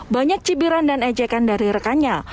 banyak cibiran dan ejekan dari rekannya